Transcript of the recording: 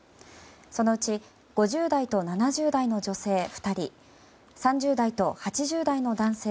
そのうち５０代と７０代の女性